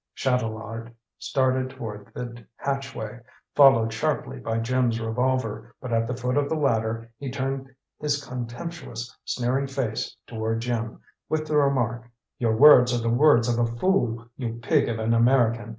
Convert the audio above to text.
Chatelard started toward the hatchway, followed sharply by Jim's revolver, but at the foot of the ladder he turned his contemptuous, sneering face toward Jim, with the remark: "Your words are the words of a fool, you pig of an American!